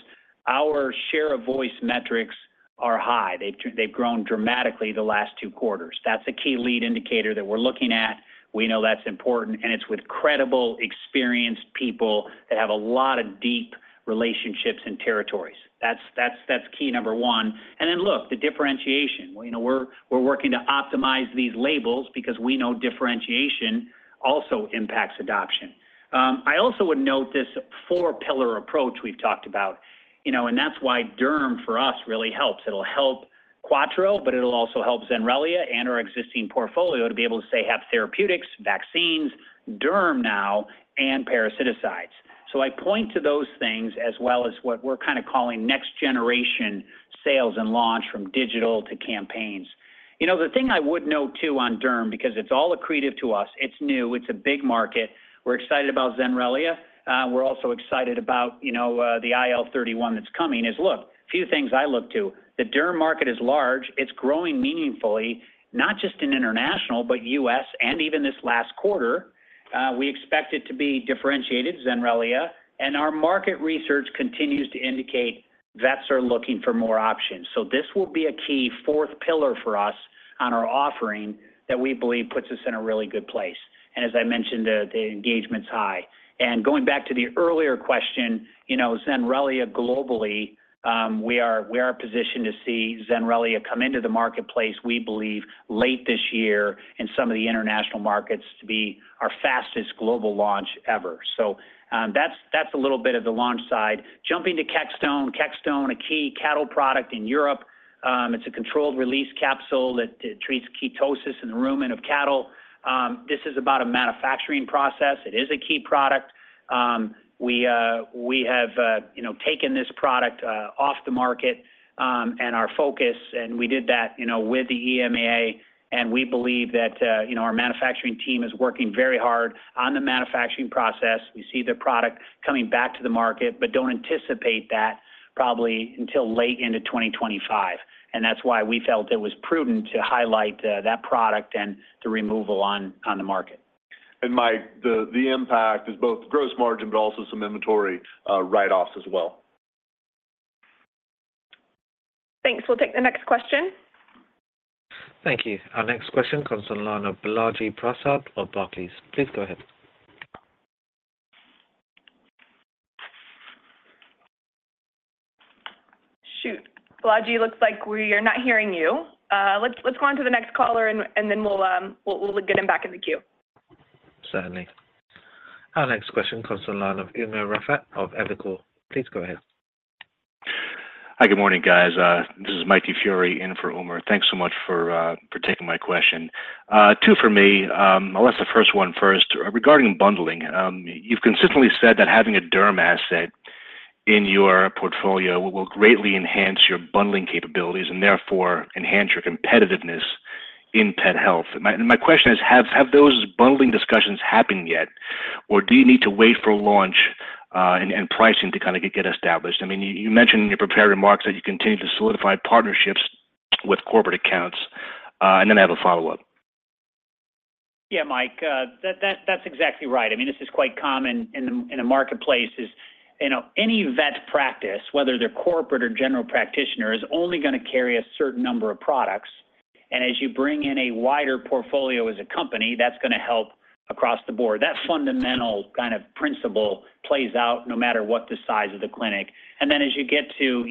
Our share of voice metrics are high. They've grown dramatically the last two quarters. That's a key lead indicator that we're looking at. We know that's important. And it's with credible, experienced people that have a lot of deep relationships and territories. That's key number one. And then look, the differentiation. We're working to optimize these labels because we know differentiation also impacts adoption. I also would note this four-pillar approach we've talked about. And that's why derm, for us, really helps. It'll help Quattro, but it'll also help Zenrelia and our existing portfolio to be able to say have therapeutics, vaccines, derm now, and parasiticides. So I point to those things as well as what we're kind of calling next-generation sales and launch from digital to campaigns. The thing I would note, too, on derm because it's all accretive to us, it's new, it's a big market. We're excited about Zenrelia. We're also excited about the IL-31 that's coming. Look, a few things I look to. The derm market is large. It's growing meaningfully, not just in international, but U.S. and even this last quarter. We expect it to be differentiated, Zenrelia. And our market research continues to indicate vets are looking for more options. So this will be a key fourth pillar for us on our offering that we believe puts us in a really good place. And as I mentioned, the engagement's high. And going back to the earlier question, Zenrelia globally, we are positioned to see Zenrelia come into the marketplace, we believe, late this year in some of the international markets to be our fastest global launch ever. So that's a little bit of the launch side. Jumping to Kexxtone, Kexxtone, a key cattle product in Europe. It's a controlled-release capsule that treats ketosis in the rumen of cattle. This is about a manufacturing process. It is a key product. We have taken this product off the market and our focus, and we did that with the EMAA. We believe that our manufacturing team is working very hard on the manufacturing process. We see the product coming back to the market, but don't anticipate that probably until late into 2025. That's why we felt it was prudent to highlight that product and the removal on the market. Mike, the impact is both gross margin, but also some inventory write-offs as well. Thanks. We'll take the next question. Thank you. Our next question comes from Balaji Prasad of Barclays. Please go ahead. Shoot. Balaji, it looks like we are not hearing you. Let's go on to the next caller, and then we'll get him back in the queue. Our next question comes from Umer Raffat of Evercore. Please go ahead. Hi, good morning, guys. This is Mike DiFiore in for Umer. Thanks so much for taking my question. Two for me, unless the first one first. Regarding bundling, you've consistently said that having a derm asset in your portfolio will greatly enhance your bundling capabilities and therefore enhance your competitiveness in pet health. And my question is, have those bundling discussions happened yet, or do you need to wait for launch and pricing to kind of get established? I mean, you mentioned in your prepared remarks that you continue to solidify partnerships with corporate accounts. And then I have a follow-up. Yeah, Mike, that's exactly right. I mean, this is quite common in the marketplace. Any vet practice, whether they're corporate or general practitioner, is only going to carry a certain number of products. And as you bring in a wider portfolio as a company, that's going to help across the board. That fundamental kind of principle plays out no matter what the size of the clinic. And then as you get to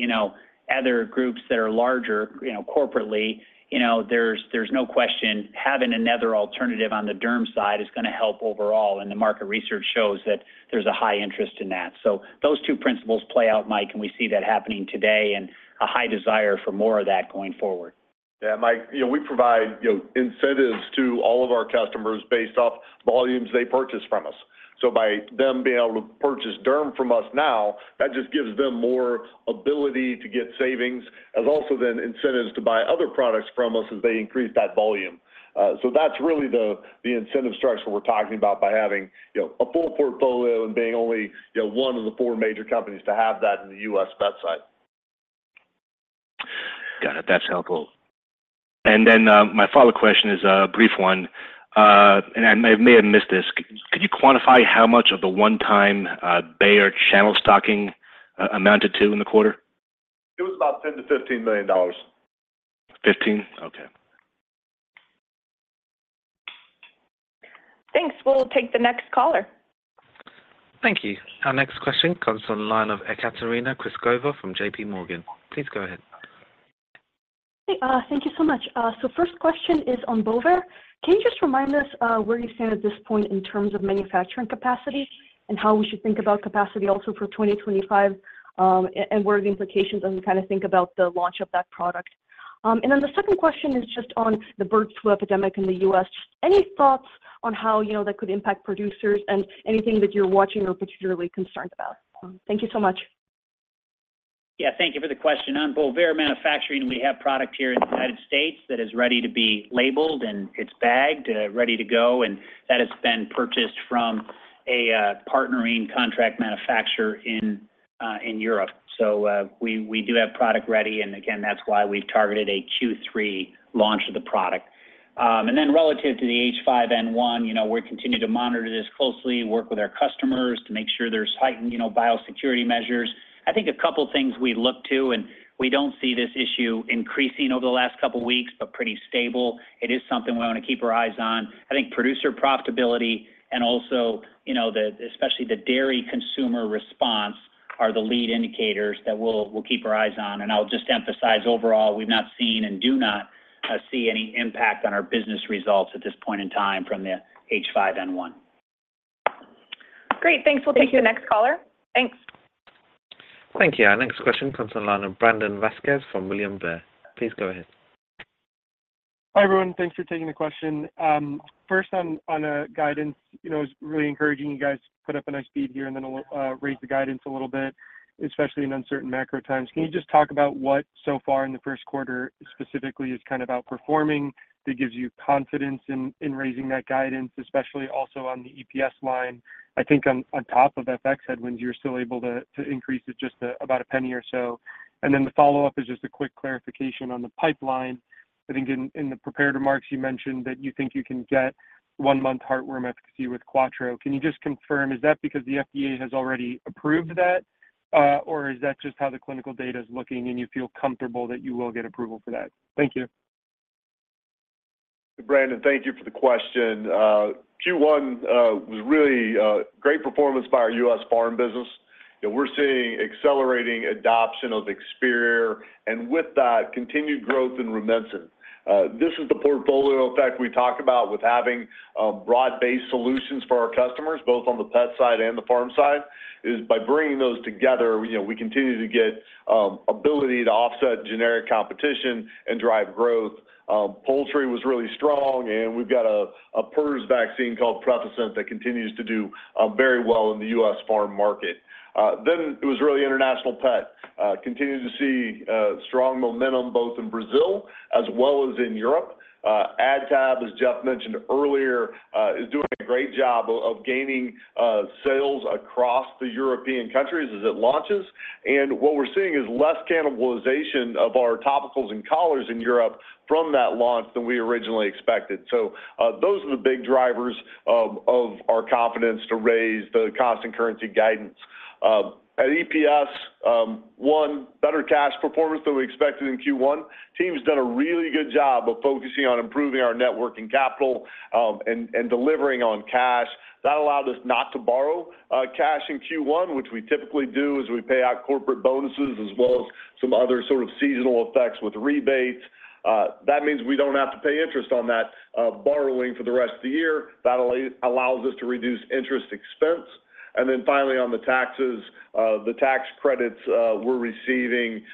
other groups that are larger corporately, there's no question having another alternative on the derm side is going to help overall. And the market research shows that there's a high interest in that. So those two principles play out, Mike, and we see that happening today and a high desire for more of that going forward. Yeah, Mike, we provide incentives to all of our customers based off volumes they purchase from us. So by them being able to purchase derm from us now, that just gives them more ability to get savings as also then incentives to buy other products from us as they increase that volume. So that's really the incentive structure we're talking about by having a full portfolio and being only one of the four major companies to have that in the U.S. vet site. Got it. That's helpful. And then my follow-up question is a brief one, and I may have missed this. Could you quantify how much of the one-time Bayer channel stocking amounted to in the quarter? It was about $10 million-$15 million. 15? Okay. Thanks. We'll take the next caller. Thank you. Our next question comes from Ekaterina Knyazkova of JPMorgan. Please go ahead. Thank you so much. So first question is on Bovaer. Can you just remind us where you stand at this point in terms of manufacturing capacity and how we should think about capacity also for 2025 and what are the implications as we kind of think about the launch of that product? And then the second question is just on the bird flu epidemic in the U.S. Any thoughts on how that could impact producers and anything that you're watching or particularly concerned about? Thank you so much. Yeah, thank you for the question. On Bovaer manufacturing, we have product here in the United States that is ready to be labeled and it's bagged, ready to go. That has been purchased from a partnering contract manufacturer in Europe. We do have product ready. Again, that's why we've targeted a Q3 launch of the product. Then relative to the H5N1, we're continuing to monitor this closely, work with our customers to make sure there's heightened biosecurity measures. I think a couple of things we look to, and we don't see this issue increasing over the last couple of weeks, but pretty stable. It is something we want to keep our eyes on. I think producer profitability and also especially the dairy consumer response are the lead indicators that we'll keep our eyes on. I'll just emphasize overall, we've not seen and do not see any impact on our business results at this point in time from the H5N1. Great. Thanks. We'll take the next caller. Thanks. Thank you. Our next question comes from Brandon Vazquez from William Blair. Please go ahead. Hi, everyone. Thanks for taking the question. First, on a guidance, it was really encouraging you guys to put up a nice beat here and then raise the guidance a little bit, especially in uncertain macro times. Can you just talk about what so far in the first quarter specifically is kind of outperforming that gives you confidence in raising that guidance, especially also on the EPS line? I think on top of FX headwinds, you were still able to increase it just about $0.01 or so. Then the follow-up is just a quick clarification on the pipeline. I think in the prepared remarks, you mentioned that you think you can get one-month heartworm efficacy with Quattro. Can you just confirm, is that because the FDA has already approved that, or is that just how the clinical data is looking and you feel comfortable that you will get approval for that? Thank you. Brandon, thank you for the question. Q1 was really great performance by our U.S. farm business. We're seeing accelerating adoption of Experior and with that, continued growth in Rumensin. This is the portfolio effect we talk about with having broad-based solutions for our customers, both on the pet side and the farm side. By bringing those together, we continue to get ability to offset generic competition and drive growth. Poultry was really strong, and we've got a PRRS vaccine called Prevacent that continues to do very well in the U.S. farm market. Then it was really international pet. Continue to see strong momentum both in Brazil as well as in Europe. AdTab, as Jeff mentioned earlier, is doing a great job of gaining sales across the European countries as it launches. And what we're seeing is less cannibalization of our topicals and collars in Europe from that launch than we originally expected. So those are the big drivers of our confidence to raise the constant and currency guidance. At EPS, one, better cash performance than we expected in Q1. Team's done a really good job of focusing on improving our working capital and delivering on cash. That allowed us not to borrow cash in Q1, which we typically do as we pay out corporate bonuses as well as some other sort of seasonal effects with rebates. That means we don't have to pay interest on that borrowing for the rest of the year. That allows us to reduce interest expense. Finally, on the taxes, the tax credits we're receiving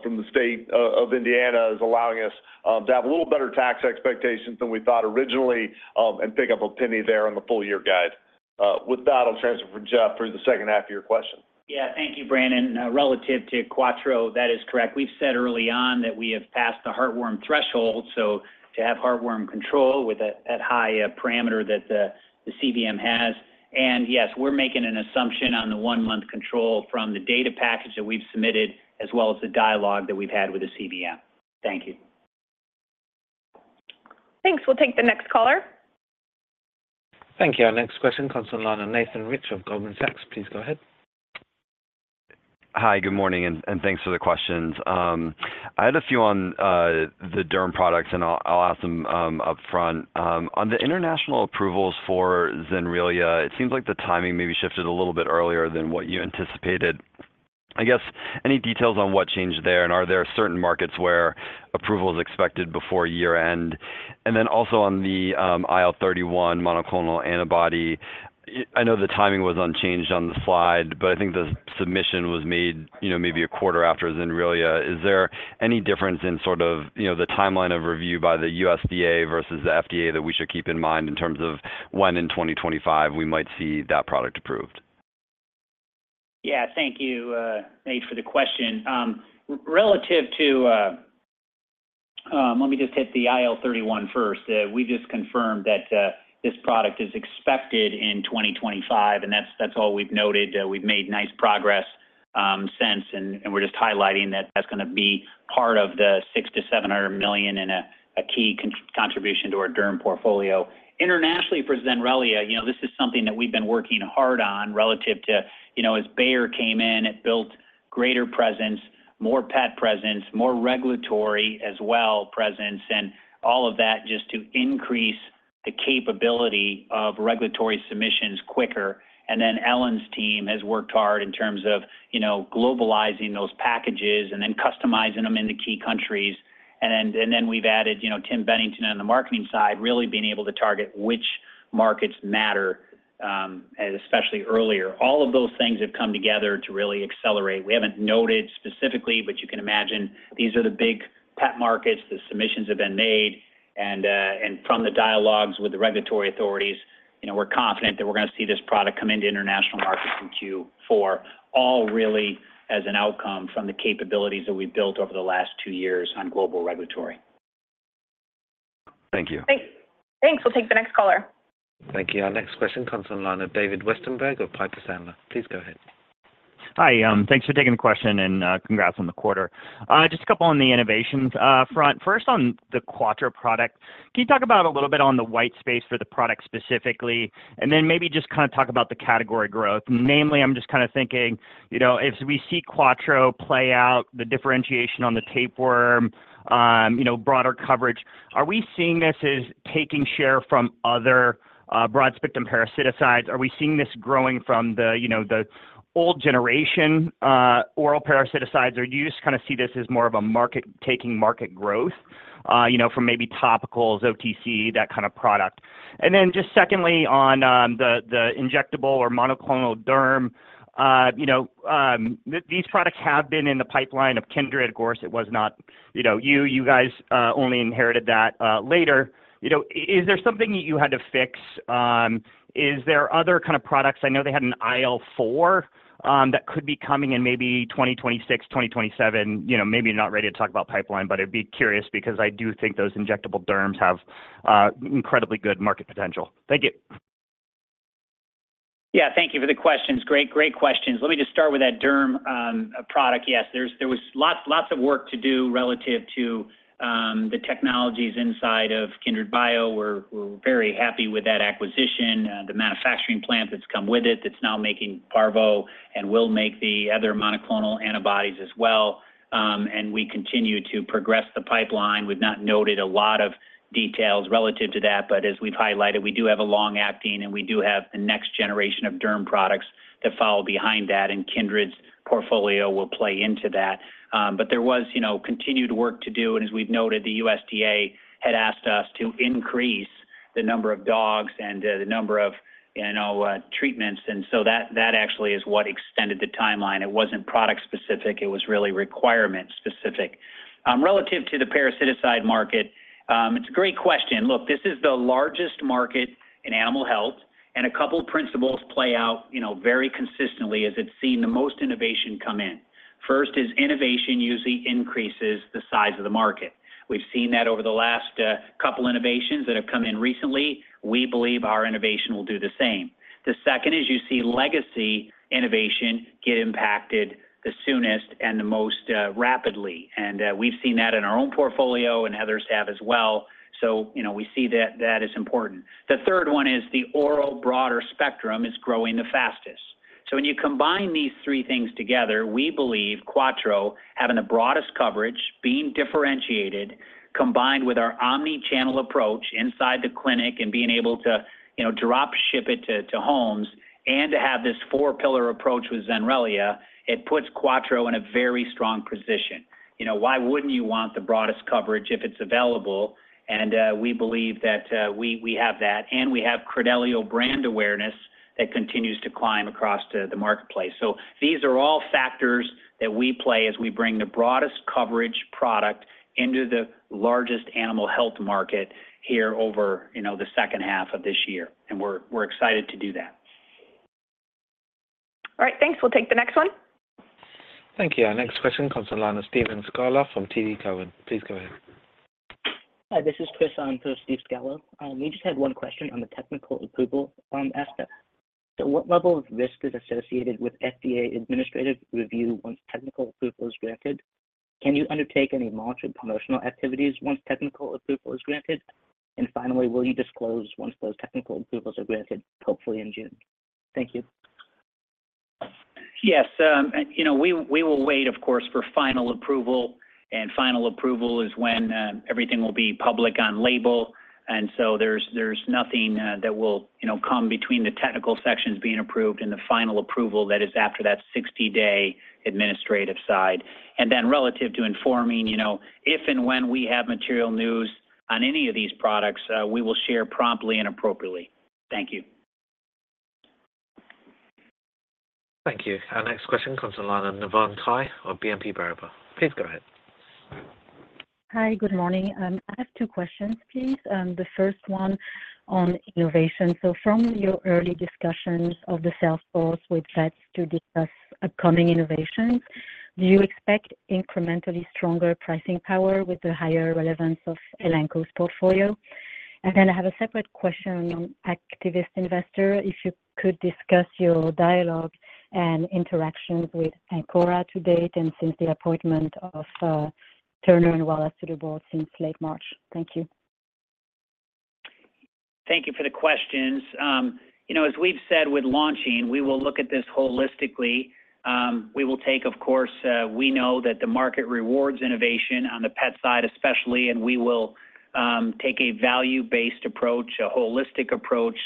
from the State of Indiana is allowing us to have a little better tax expectations than we thought originally and pick up $0.01 there on the full-year guide. With that, I'll transfer from Jeff through the second half of your question. Yeah, thank you, Brandon. Relative to Quattro, that is correct. We've said early on that we have passed the heartworm threshold, so to have heartworm control with that high parameter that the CVM has. And yes, we're making an assumption on the one-month control from the data package that we've submitted as well as the dialogue that we've had with the CVM. Thank you. Thanks. We'll take the next caller. Thank you. Our next question comes from Nathan Rich of Goldman Sachs. Please go ahead. Hi, good morning, and thanks for the questions. I had a few on the derm products, and I'll ask them upfront. On the international approvals for Zenrelia, it seems like the timing maybe shifted a little bit earlier than what you anticipated. I guess any details on what changed there, and are there certain markets where approval is expected before year-end? And then also on the IL-31 monoclonal antibody, I know the timing was unchanged on the slide, but I think the submission was made maybe a quarter after Zenrelia. Is there any difference in sort of the timeline of review by the USDA versus the FDA that we should keep in mind in terms of when in 2025 we might see that product approved? Yeah, thank you, Nate, for the question. Relative to, let me just hit the IL-31 first. We just confirmed that this product is expected in 2025, and that's all we've noted. We've made nice progress since, and we're just highlighting that that's going to be part of the $600 million-$700 million in a key contribution to our derm portfolio. Internationally for Zenrelia, this is something that we've been working hard on relative to as Bayer came in, it built greater presence, more pet presence, more regulatory as well presence, and all of that just to increase the capability of regulatory submissions quicker. And then Ellen's team has worked hard in terms of globalizing those packages and then customizing them in the key countries. And then we've added Tim Bettington on the marketing side, really being able to target which markets matter, especially earlier. All of those things have come together to really accelerate. We haven't noted specifically, but you can imagine these are the big pet markets. The submissions have been made. And from the dialogues with the regulatory authorities, we're confident that we're going to see this product come into international markets in Q4, all really as an outcome from the capabilities that we've built over the last two years on global regulatory. Thank you. Thanks. We'll take the next caller. Thank you. Our next question comes from David Westenberg of Piper Sandler. Please go ahead. Hi. Thanks for taking the question, and congrats on the quarter. Just a couple on the innovations front. First, on the Quattro product, can you talk about a little bit on the white space for the product specifically, and then maybe just kind of talk about the category growth? Namely, I'm just kind of thinking if we see Quattro play out the differentiation on the tapeworm, broader coverage, are we seeing this as taking share from other broad-spectrum parasiticides? Are we seeing this growing from the old generation oral parasiticides or do you just kind of see this as more of a taking market growth from maybe topicals, OTC, that kind of product? And then just secondly, on the injectable or monoclonal derm, these products have been in the pipeline of Kindred. Of course, it was not you. You guys only inherited that later. Is there something that you had to fix? Is there other kind of products? I know they had an IL-4 that could be coming in maybe 2026, 2027. Maybe you're not ready to talk about pipeline, but I'd be curious because I do think those injectable derms have incredibly good market potential. Thank you. Yeah, thank you for the questions. Great, great questions. Let me just start with that derm product. Yes, there was lots of work to do relative to the technologies inside of Kindred Bio. We're very happy with that acquisition, the manufacturing plant that's come with it that's now making Parvo and will make the other monoclonal antibodies as well. We continue to progress the pipeline. We've not noted a lot of details relative to that, but as we've highlighted, we do have a long-acting, and we do have the next generation of derm products that follow behind that, and Kindred's portfolio will play into that. There was continued work to do. As we've noted, the USDA had asked us to increase the number of dogs and the number of treatments. So that actually is what extended the timeline. It wasn't product-specific. It was really requirement-specific. Relative to the parasiticide market, it's a great question. Look, this is the largest market in animal health, and a couple of principles play out very consistently as it's seen the most innovation come in. First is innovation usually increases the size of the market. We've seen that over the last couple of innovations that have come in recently. We believe our innovation will do the same. The second is you see legacy innovation get impacted the soonest and the most rapidly. And we've seen that in our own portfolio and others have as well. So we see that that is important. The third one is the oral broader spectrum is growing the fastest. So when you combine these three things together, we believe Quattro having the broadest coverage, being differentiated, combined with our omnichannel approach inside the clinic and being able to drop-ship it to homes and to have this four-pillar approach with Zenrelia, it puts Quattro in a very strong position. Why wouldn't you want the broadest coverage if it's available? And we believe that we have that, and we have Credelio brand awareness that continues to climb across the marketplace. So these are all factors that we play as we bring the broadest coverage product into the largest animal health market here over the second half of this year. And we're excited to do that. All right. Thanks. We'll take the next one. Thank you. Our next question comes from Steve Scala from TD Cowen. Please go ahead. Hi. This is Chris Anto, Steve Scala. We just had one question on the technical approval aspect. So what level of risk is associated with FDA administrative review once technical approval is granted? Can you undertake any monitoring promotional activities once technical approval is granted? And finally, will you disclose once those technical approvals are granted, hopefully in June? Thank you. Yes. We will wait, of course, for final approval, and final approval is when everything will be public on label. And so there's nothing that will come between the technical sections being approved and the final approval that is after that 60-day administrative side. And then relative to informing, if and when we have material news on any of these products, we will share promptly and appropriately. Thank you. Thank you. Our next question comes from Navann Ty of BNP Paribas. Please go ahead. Hi. Good morning. I have two questions, please. The first one on innovation. So from your early discussions of the sales force with vets to discuss upcoming innovations, do you expect incrementally stronger pricing power with the higher relevance of Elanco's portfolio? And then I have a separate question on activist investor, if you could discuss your dialogue and interactions with Ancora to date and since the appointment of Turner and Wallace to the board since late March. Thank you. Thank you for the questions. As we've said with launching, we will look at this holistically. We will take, of course, we know that the market rewards innovation on the pet side especially, and we will take a value-based approach, a holistic approach,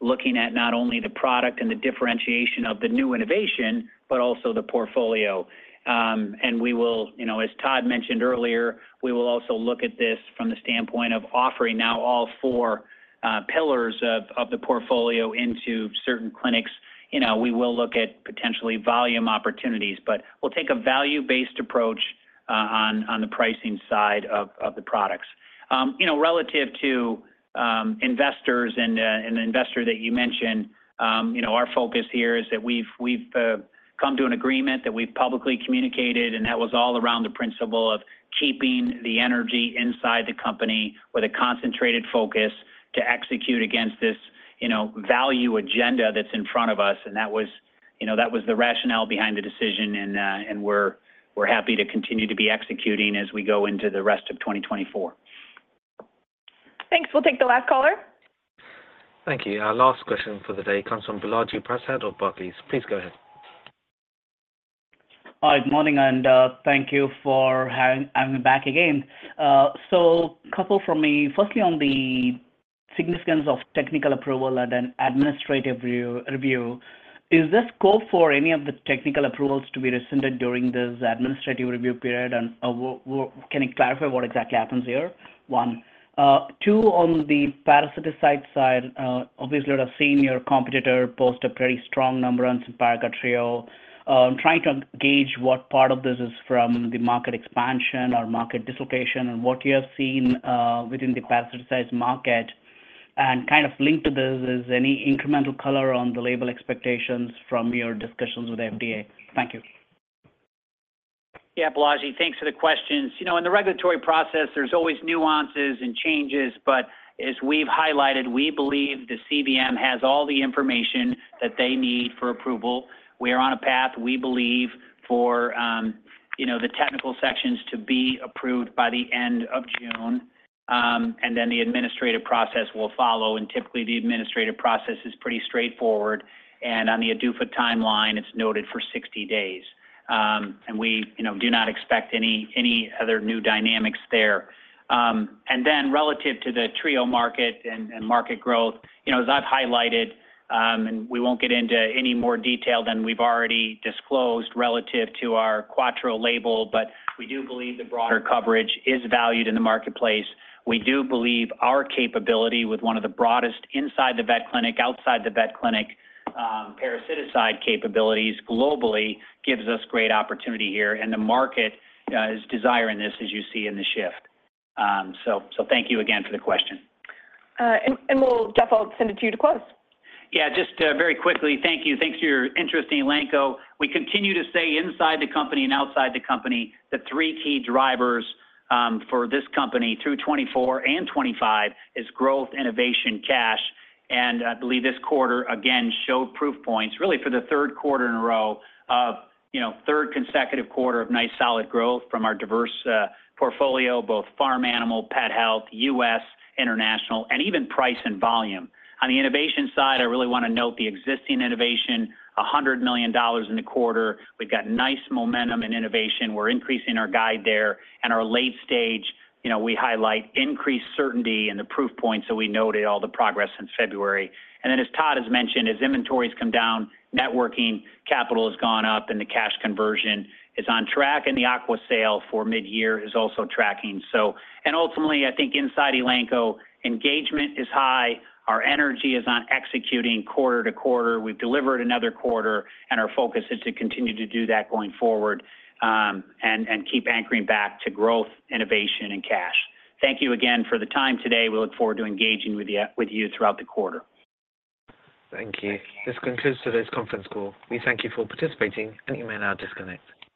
looking at not only the product and the differentiation of the new innovation, but also the portfolio. And we will, as Todd mentioned earlier, we will also look at this from the standpoint of offering now all four pillars of the portfolio into certain clinics. We will look at potentially volume opportunities, but we'll take a value-based approach on the pricing side of the products. Relative to investors and the investor that you mentioned, our focus here is that we've come to an agreement that we've publicly communicated, and that was all around the principle of keeping the energy inside the company with a concentrated focus to execute against this value agenda that's in front of us. That was the rationale behind the decision, and we're happy to continue to be executing as we go into the rest of 2024. Thanks. We'll take the last caller. Thank you. Our last question for the day comes from Balaji Prasad of Barclays. Please go ahead. Hi. Good morning, and thank you for having me back again. So a couple from me. Firstly, on the significance of technical approval and then administrative review, is there scope for any of the technical approvals to be rescinded during this administrative review period? Can you clarify what exactly happens here? One. Two, on the parasiticide side, obviously, we've seen your competitor post a pretty strong number on Simparica Trio. I'm trying to gauge what part of this is from the market expansion or market dislocation and what you have seen within the parasiticide market. And kind of linked to this, is any incremental color on the label expectations from your discussions with the FDA? Thank you. Yeah, Balaji, thanks for the questions. In the regulatory process, there's always nuances and changes, but as we've highlighted, we believe the CVM has all the information that they need for approval. We are on a path, we believe, for the technical sections to be approved by the end of June, and then the administrative process will follow. Typically, the administrative process is pretty straightforward. On the ADUFA timeline, it's noted for 60 days. We do not expect any other new dynamics there. Then relative to the Trio market and market growth, as I've highlighted, and we won't get into any more detail than we've already disclosed relative to our Quattro label, but we do believe the broader coverage is valued in the marketplace. We do believe our capability with one of the broadest inside the vet clinic, outside the vet clinic, parasiticide capabilities globally gives us great opportunity here. And the market is desiring this, as you see in the shift. So thank you again for the question. Jeff, I'll send it to you to close. Yeah, just very quickly, thank you. Thanks for your interest, Elanco. We continue to say inside the company and outside the company, the three key drivers for this company through 2024 and 2025 is growth, innovation, cash. And I believe this quarter, again, showed proof points really for the third quarter in a row, third consecutive quarter of nice solid growth from our diverse portfolio, both farm animal, pet health, U.S., international, and even price and volume. On the innovation side, I really want to note the existing innovation, $100 million in the quarter. We've got nice momentum in innovation. We're increasing our guide there. And our late stage, we highlight increased certainty in the proof points. So we noted all the progress in February. And then as Todd has mentioned, as inventories come down, net working capital has gone up, and the cash conversion is on track. And the Aqua sale for midyear is also tracking. And ultimately, I think inside Elanco, engagement is high. Our energy is on executing quarter to quarter. We've delivered another quarter, and our focus is to continue to do that going forward and keep anchoring back to growth, innovation, and cash. Thank you again for the time today. We look forward to engaging with you throughout the quarter. Thank you. This concludes today's conference call. We thank you for participating, and you may now disconnect.